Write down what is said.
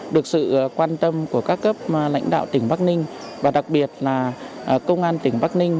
được sự quan tâm của các cấp lãnh đạo tỉnh bắc ninh và đặc biệt là công an tỉnh bắc ninh